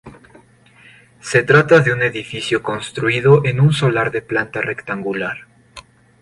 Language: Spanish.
Se trata de un edificio construido en un solar de planta rectangular.